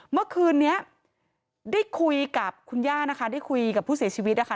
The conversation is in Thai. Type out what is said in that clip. เมื่อคืนนี้ได้คุยกับคุณย่านะคะได้คุยกับผู้เสียชีวิตนะคะ